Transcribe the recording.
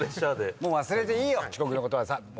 もう忘れていいよ遅刻のことはさ。